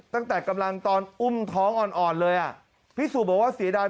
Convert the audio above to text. ตั้งแต่กำลังตอนอุ้มท้องอ่อนอ่อนเลยอ่ะพี่สุบอกว่าเสียดาย